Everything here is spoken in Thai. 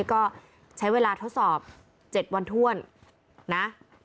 ก็ใช้เวลาทดสอบ๗วันถ้วนนะ